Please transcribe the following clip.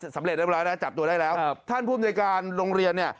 สำเร็จแล้วจับตัวได้แล้วท่านผู้บริษัยการโรงเรียนเนี่ย